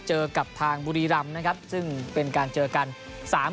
เจอกับทางบุรีรำนะครับ